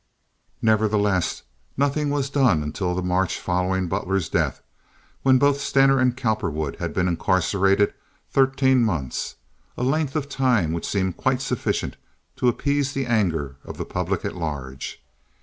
Nevertheless, nothing was done until the March following Butler's death, when both Stener and Cowperwood had been incarcerated thirteen months—a length of time which seemed quite sufficient to appease the anger of the public at large.